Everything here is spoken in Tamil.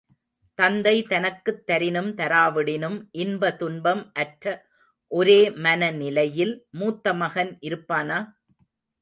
தந்தை தனக்குத் தரினும் தராவிடினும் இன்ப துன்பம் அற்ற ஒரே மன நிலையில் மூத்த மகன் இருப்பானா?